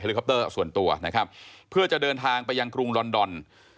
ลิคอปเตอร์ส่วนตัวนะครับเพื่อจะเดินทางไปยังกรุงลอนดอน